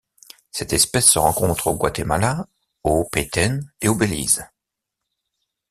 Cette espèce se rencontre au Guatemala au Petén et au Belize.